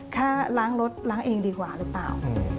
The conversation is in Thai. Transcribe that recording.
กล้าล้างรถล้างเองดีกว่าหรือเปล่า